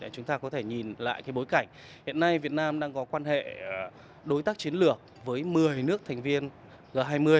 chúng ta có thể nhìn lại bối cảnh hiện nay việt nam đang có quan hệ đối tác chiến lược với một mươi nước thành viên g hai mươi